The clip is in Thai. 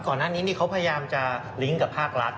ก่อนหน้านี้เขาพยายามจะลิงก์กับภาครัฐ